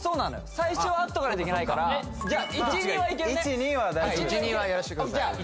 最初は合っとかないといけないから１２はいけるね１２はやらしてください